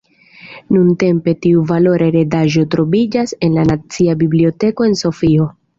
Nuntempe tiu valora heredaĵo troviĝas en la Nacia biblioteko en Sofio.